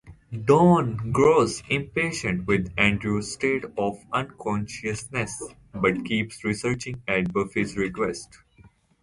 Dawn grows impatient with Andrew's state of unconsciousness, but keeps researching at Buffy's request.